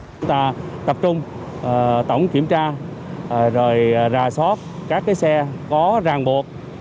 chúng ta tập trung tổng kiểm tra rồi ra sót các xe có ràng buộc